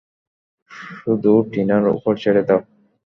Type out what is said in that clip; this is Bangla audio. শুধু টিনার উপর ছেড়ে দাও।